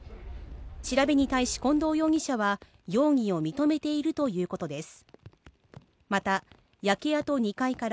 調べに対し近藤容疑者は容疑を認めているということです。